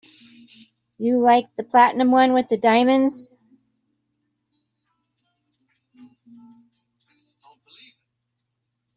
You liked the platinum one with the diamonds.